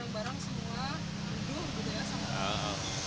barang semua nandu gitu ya